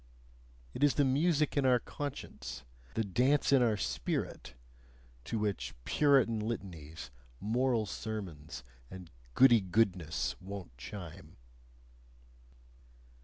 It is the music in our conscience, the dance in our spirit, to which Puritan litanies, moral sermons, and goody goodness won't chime.